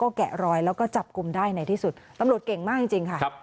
แกะรอยแล้วก็จับกลุ่มได้ในที่สุดตำรวจเก่งมากจริงค่ะ